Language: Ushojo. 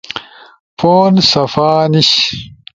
پون صفا نیِش۔